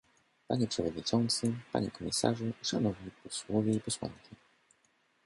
Panie przewodniczący, panie komisarzu, szanowni posłowie i posłanki